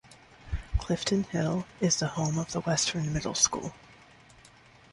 Clifton Hill is the home of the Westran Middle School.